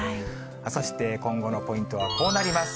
そして今後のポイントはこうなります。